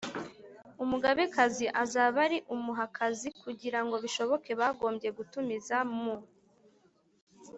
umugabekazi azaba ari umuhakazi Kugira ngo bishoboke bagombye gutumiza mu